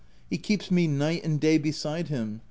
He keeps me night and day beside him.